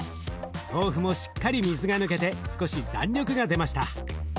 豆腐もしっかり水が抜けて少し弾力が出ました。